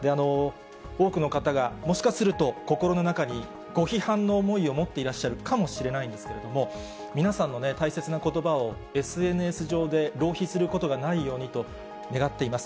多くの方が、もしかすると、心の中にご批判の思いを持ってらっしゃるかもしれないんですけれども、皆さんの大切なことばをＳＮＳ上で浪費することがないようにと願っています。